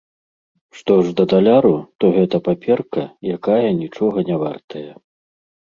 Што ж да даляру, то гэта паперка, якая нічога не вартая.